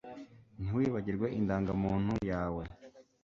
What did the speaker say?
Ntiwibagirwe indangamuntu yawe